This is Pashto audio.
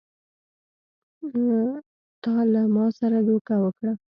تا له ما سره دوکه وکړه!